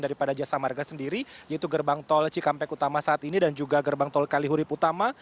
daripada jasa marga sendiri yaitu gerbang tol cikampek utama saat ini dan juga gerbang tol kalihurip utama